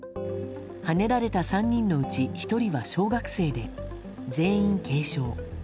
はねられた３人のうち１人は小学生で全員、軽傷。